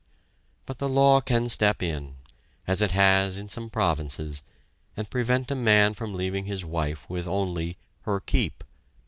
But the law can step in, as it has in some provinces, and prevent a man from leaving his wife with only "her keep."